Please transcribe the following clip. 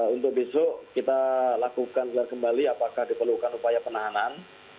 untuk besok kita lakukan gelar kembali apakah diperlukan upaya penahanan